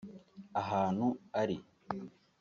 Ahantu ari